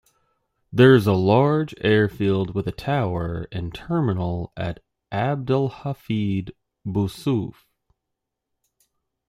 There is a large airfield with a tower and terminal at Abdelhafid Boussouf.